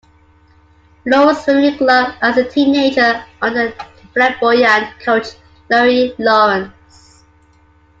Lawrence Swimming Club as a teenager under flamboyant coach Laurie Lawrence.